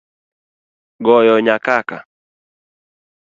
Goyo nyakaka